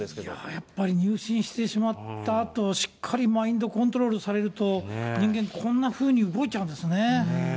やっぱり入信してしまったあと、しっかりマインドコントロールされると、人間、こんなふうに動いちゃうんですね。